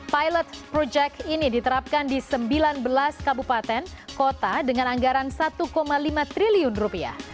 pilot project ini diterapkan di sembilan belas kabupaten kota dengan anggaran satu lima triliun rupiah